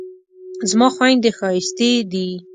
زما خویندې ښایستې دي